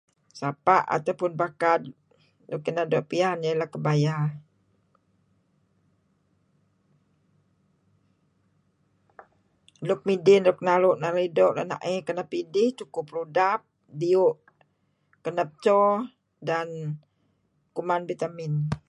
Sapa' atau pun bakad nuk uih doo' piyan iah inah Kabaya. Nuk midih nuk narih doo renaey rudap, diu' kana[ co dam vitamn.